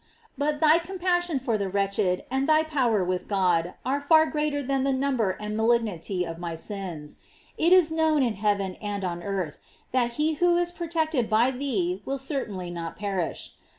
But thy compassion for the wretched and thy power with God are far greater than the number and malignity of my sins* It is known GLORIES OF MARY. in heaven and on earth that he who is protect ed by thee will certainly not perish.